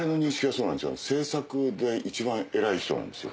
制作で一番偉い人なんですよ。